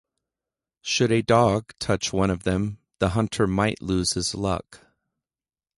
Should a dog touch one of them, the hunter might lose his luck.